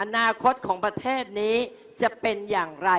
อนาคตของประเทศนี้จะเป็นอย่างไร